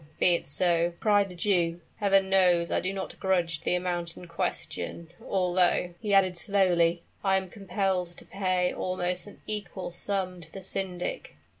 be it so!" cried the Jew. "Heaven knows I do not grudge the amount in question although," he added slowly, "I am compelled to pay almost an equal sum to the syndic."